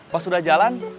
pas udah jalan